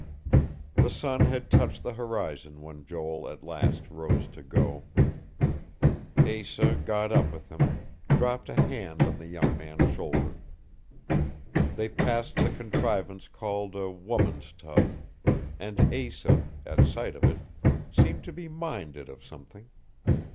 The sun had touched the horizon when Joel at last rose to go. Asa got up with him, dropped a hand on the young man's shoulder. They passed the contrivance called a "woman's tub"; and Asa, at sight of it, seemed to be minded of something.